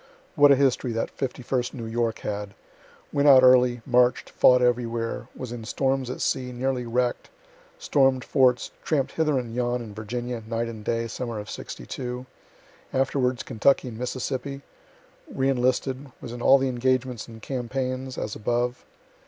(What a history that 51st New York had! Went out early march'd, fought everywhere was in storms at sea, nearly wreck'd storm'd forts tramp'd hither and yon in Virginia, night and day, summer of '62 afterwards Kentucky and Mississippi re enlisted was in all the engagements and campaigns, as above.)